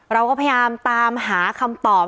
เราก็พยายามตามหาคำตอบ